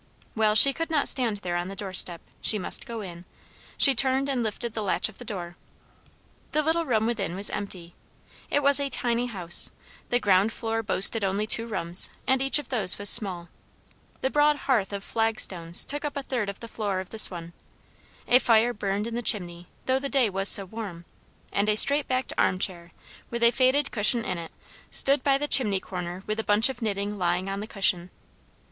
Well, she could not stand there on the door step. She must go in. She turned and lifted the latch of the door. The little room within was empty. It was a tiny house; the ground floor boasted only two rooms, and each of those was small. The broad hearth of flagstones took up a third of the floor of this one. A fire burned in the chimney, though the day was so warm; and a straight backed arm chair, with a faded cushion in it, stood by the chimney corner with a bunch of knitting lying on the cushion.